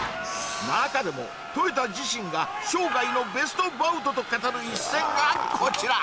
中でも豊田自身が「生涯のベストバウト」と語る一戦がこちら！